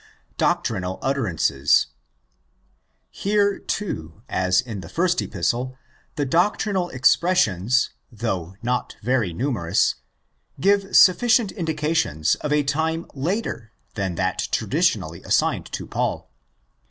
Doctrinal Utterances. Here, too, as in the first Epistle, the doctrinal expressions, though not very numerous, give suffi cient indications of a time later than that traditionally assigned to Paul.